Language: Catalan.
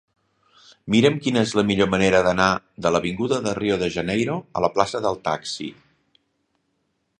Mira'm quina és la millor manera d'anar de l'avinguda de Rio de Janeiro a la plaça del Taxi.